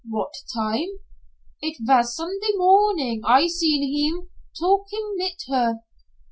"What time?" "It vas Sunday morning I seen heem, talkin' mit her."